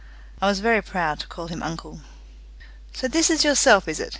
I was very proud to call him uncle. "So this is yourself, is it!"